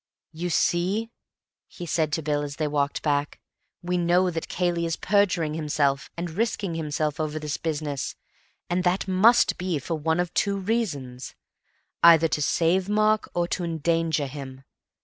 "You see," he said to Bill, as they walked back, "we know that Cayley is perjuring himself and risking himself over this business, and that must be for one of two reasons. Either to save Mark or to endanger him.